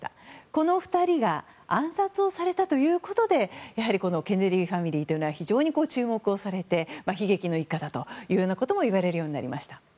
この２人が暗殺されたということでやはりケネディファミリーというのは非常に注目されて悲劇の一家だとも言われるようになりました。